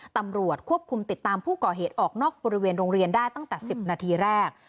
ตำรวจควบคุมติดตามผู้ก่อเหตุออกนอกบริเวณโรงเรียนได้ตั้งแต่๑๐นาทีแรก